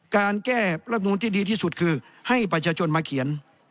การแก้รับนูนที่ดีที่สุดคือให้ประชาชนมาเขียน